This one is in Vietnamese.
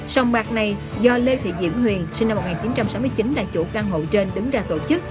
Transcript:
sông bạc này do lê thị diễm huyền sinh năm một nghìn chín trăm sáu mươi chín là chủ căn hộ trên đứng ra tổ chức